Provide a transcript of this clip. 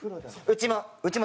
うちも。